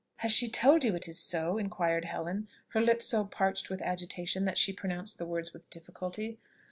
"Has she told you it is so?" inquired Helen, her lips so parched with agitation that she pronounced the words with difficulty.